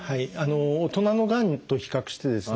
大人のがんと比較してですね